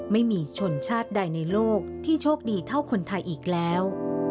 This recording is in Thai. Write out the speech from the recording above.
ไม่มีชนชาติใดในโลกที่โชคดีเท่าคนไทยอีกแล้ว